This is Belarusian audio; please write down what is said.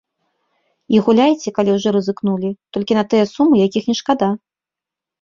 І гуляйце, калі ўжо рызыкнулі, толькі на тыя сумы, якіх не шкада.